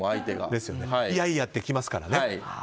いやいやってきますからね。